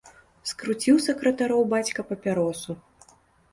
Скруціў сакратароў бацька папяросу.